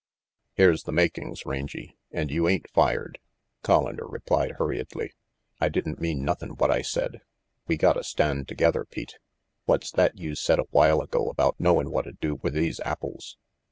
"Here's the makings, Rangy, and you ain't fired," Collander replied hurriedly. "I didn't mean nothin' what I said. We gotta stand together, Pete. What's that you said awhile ago about knowin' whata do with these apples?"